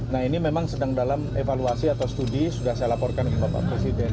nah ini memang sedang dalam evaluasi atau studi sudah saya laporkan ke bapak presiden